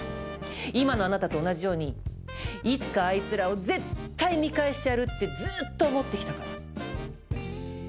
今のあなたと同じようにいつかあいつらを絶対見返してやるってずっと思ってきたから。